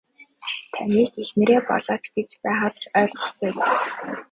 Таныг эхнэрээ болооч гэж байхад л ойлгох байжээ.